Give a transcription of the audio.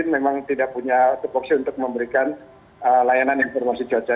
memang tidak punya topoksi untuk memberikan layanan informasi cuaca